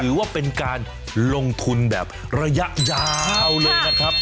ถือว่าเป็นการลงทุนแบบระยะยาวเลยนะครับ